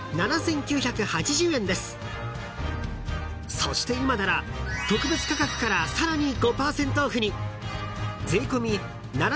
［そして今なら特別価格からさらに５％オフに］